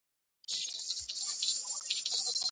მან ძალიან ბევრი დიდებული სიკვდილითაც კი დასაჯა.